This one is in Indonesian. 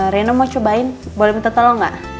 rena mau cobain boleh minta tolong nggak